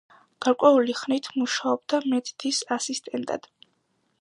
გარკვეული ხნით მუშაობდა მედდის ასისტენტად.